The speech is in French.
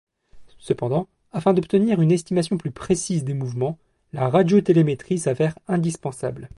Cependant, afin d’obtenir une estimation plus précise des mouvements, la radiotélémétrie s’avère indispensable.